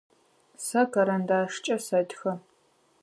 Сэ карандашкӏэ сэтхэ.